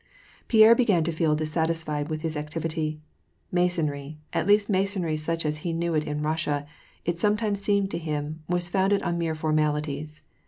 Pierre began to feel dissatisfied with his activity. Masonry, at least Masonry such as he knew it in Russia, it sometimes seemed to him, was founded on mere formalities.